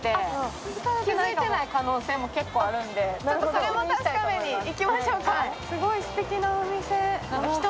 それも確かめに行きましょうか。